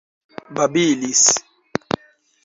babilis